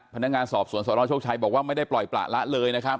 พนักงานสอบสวนสนโชคชัยบอกว่าไม่ได้ปล่อยประละเลยนะครับ